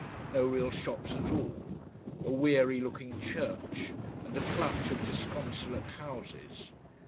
No real shops at all. A weary looking church, and a clutch of disconsolate houses.